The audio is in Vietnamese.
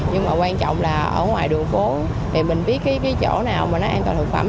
nhưng mà quan trọng là ở ngoài đường phố thì mình biết cái chỗ nào mà nó an toàn thực phẩm